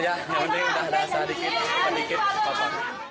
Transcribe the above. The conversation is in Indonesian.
yang penting sudah ada sedikit sedikit apa apa